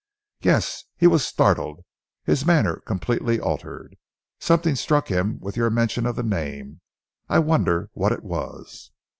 "Yes, he was startled. His manner completely altered. Something struck him with your mention of the name. I wonder what it was?"